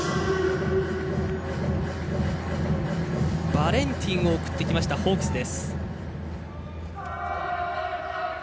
バレンティンを送ってきましたホークスです。